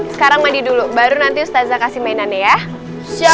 sekarang mandi dulu baru nanti ustazah kasih mainannya ya